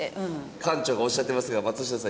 館長がおっしゃってますが松下さん